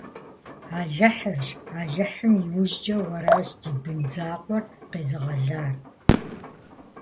Алыхьырщ, Алыхьым иужькӏэ уэращ ди бын закъуэр къезыгъэлар!